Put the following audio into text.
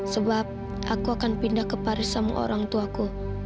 sebab aku akan pindah ke paris sama orangtuaku